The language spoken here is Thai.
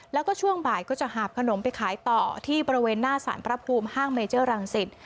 แล้วก็ช่วงบ่ายก็จะหาบขนมไปขายต่อที่บริเวณหน้าสารพระภูมิห้างเมเจอร์รังสิต